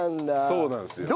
そうなんですよ。